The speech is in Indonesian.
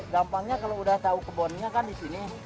gampangnya kalau udah tahu kebonnya kan di sini